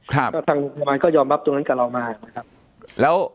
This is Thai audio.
ก็ทางประมาณก็ยอมรับตรงนั้นกับเรามานะครับ